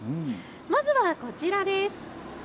まずはこちらです。